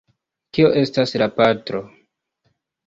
Kio estas la patro?